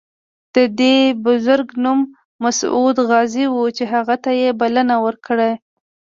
د دې بزرګ نوم مسعود غازي و چې هغه ته یې بلنه ورکړه.